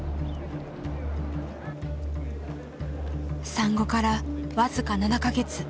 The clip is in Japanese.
産後から僅か７か月。